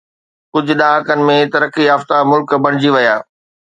ڪجهه ڏهاڪن ۾ ترقي يافته ملڪ بڻجي ويا